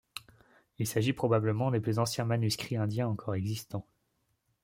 Il s'agit probablement des plus anciens manuscrits indiens encore existants.